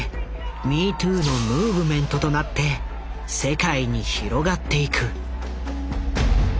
ＭｅＴｏｏのムーブメントとなって世界に広がっていく。